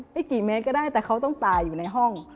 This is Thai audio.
ไม่กี่เมตรก็ได้แต่เขาต้องตายอยู่ในห้อง